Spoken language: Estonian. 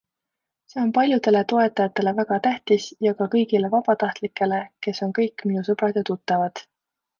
See on paljudele toetajatele väga tähtis ja ka kõigile vabatahtlikele, kes on kõik minu sõbrad ja tuttavad.